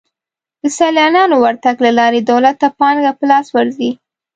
د سیلانیانو ورتګ له لارې دولت ته پانګه په لاس ورځي.